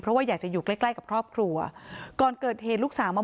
เพราะว่าอยากจะอยู่ใกล้ใกล้กับครอบครัวก่อนเกิดเหตุลูกสาวมา